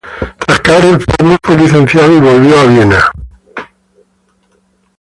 Tras caer enfermo, fue licenciado y volvió a Viena.